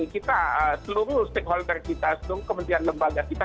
kita seluruh stakeholder kita seluruh kementerian lembaga kita